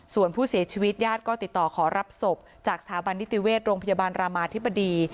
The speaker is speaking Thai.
ส่วนผู้เสียชีวิตญาติก็ติดต่อขอรับศพจากสถาบันนิติเวชโรงพยาบาลรามาธิบดี